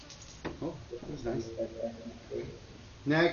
কলিকালে তার টানাটানি পড়েছে।